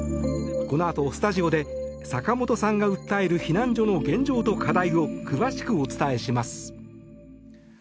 このあと、スタジオで坂本さんが訴える避難所の現状と課題を詳しくお伝えします。